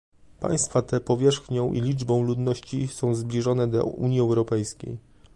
Państwa te powierzchnią i liczbą ludności są zbliżone do Unii Europejskiej